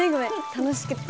楽しくって。